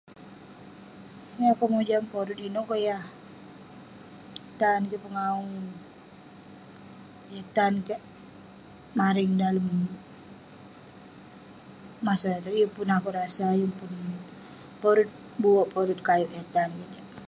Yeng akouk mojam porut inouk keh yah tan kik pengawu, yah tan kik mareng dalem masa itouk, yeng pun akouk rasa, yeng pun. porut buerk, porut kayouk yah tan kik.